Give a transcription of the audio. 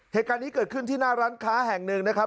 เหตุการณ์นี้เกิดขึ้นที่หน้าร้านค้าแห่งหนึ่งนะครับ